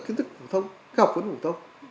kiến thức của thông